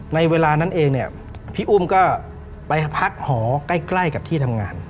ในเวลานั้นเองเนี่ยพี่อุ้มก็ไปพักหอใกล้กับที่ทำงาน